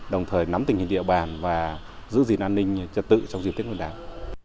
đồng thời nắm tình hình địa bàn và giữ gìn an ninh chặt tự trong dịp tiết quân đảng